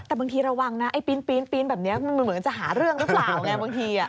แต่บางทีระวังนะไอ้ปีนแบบนี้มันเหมือนจะหาเรื่องหรือเปล่าไงบางที